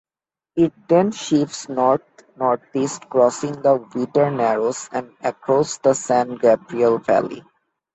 It then shifts north-northeast, crossing the Whittier Narrows and across the San Gabriel Valley.